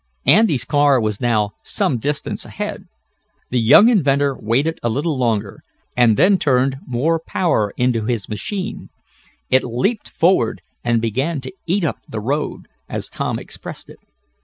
Andy's car was now some distance ahead. The young inventor waited a little longer, and then turned more power into his machine. It leaped forward and began to "eat up the road," as Tom expressed it.